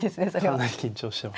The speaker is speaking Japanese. かなり緊張してます。